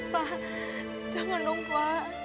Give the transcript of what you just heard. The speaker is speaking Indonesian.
pak jangan lupa